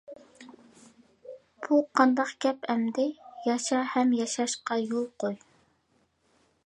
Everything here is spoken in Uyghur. بۇ قانداق گەپ ئەمدى؟ ياشا ھەم ياشاشقا يول قوي!